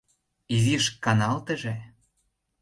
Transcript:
Изиш каналтыже.